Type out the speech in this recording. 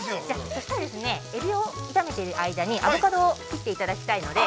◆そうしたら、エビを炒めている間にアボカドを切っていただきたいので。